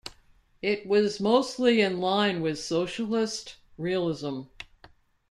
It was mostly in line with socialist realism.